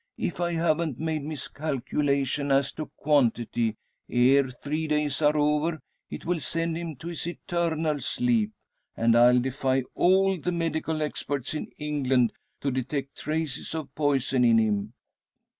If I haven't made miscalculation as to quantity, ere three days are over it will send him to his eternal sleep; and I'll defy all the medical experts in England to detect traces of poison in him.